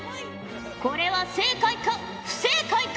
これは正解か不正解か？